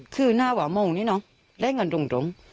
คือน่าว่าโมงนี่เนอะแรงกันตรง